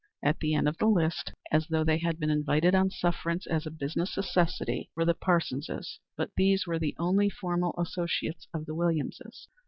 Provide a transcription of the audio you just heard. At the end of the list, as though they had been invited on sufferance as a business necessity, were the Parsonses; but these were the only former associates of the Williamses.